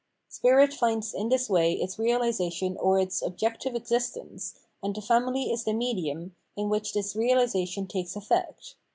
Spirit finds in this way its realisation or its objective existence, and the family is the medium in which this realisation takes effect.